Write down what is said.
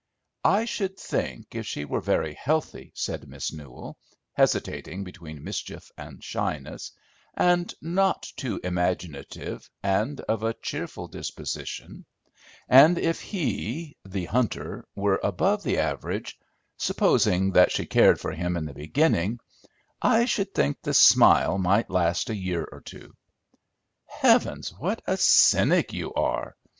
"I should think, if she were very healthy," said Miss Newell, hesitating between mischief and shyness, "and not too imaginative, and of a cheerful disposition; and if he, the hunter, were above the average, supposing that she cared for him in the beginning, I should think the smile might last a year or two." "Heavens, what a cynic you are!